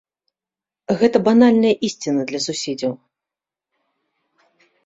Гэта банальная ісціна для суседзяў.